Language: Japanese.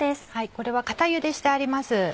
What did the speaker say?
これは固ゆでしてあります。